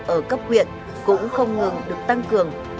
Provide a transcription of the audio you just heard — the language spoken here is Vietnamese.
ở cấp quyện cũng không ngừng được tăng cường